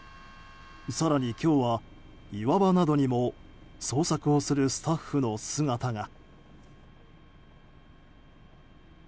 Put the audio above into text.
更に今日は岩場などにも捜索をするスタッフの姿が。